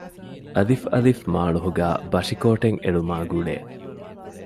އއ. މާޅޮހުގައި ބަށިކޯޓެއް އެޅުމާގުޅޭ